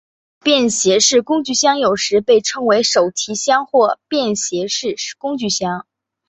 小型的便携式工具箱有时被称为手提箱或便携式工具箱。